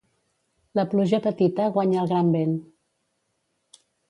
La pluja petita guanya el gran vent.